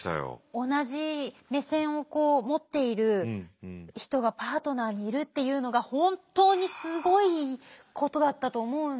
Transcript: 同じ目線を持っている人がパートナーにいるっていうのが本当にすごいことだったと思うんですよ。